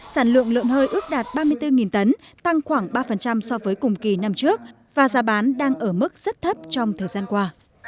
sản lượng lợn hơi ước đạt ba mươi bốn tấn tăng khoảng ba so với cùng kỳ năm trước và giá bán đang ở mức rất thấp trong thời gian qua